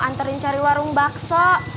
anterin cari warung bakso